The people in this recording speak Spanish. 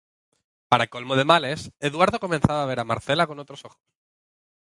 Para colmo de males, Eduardo comenzaba a ver a Marcela con otros ojos.